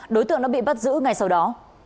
đối tượng đã bị bắt giữ ngay sau đó